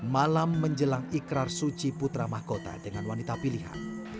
malam menjelang ikrar suci putra mahkota dengan wanita pilihan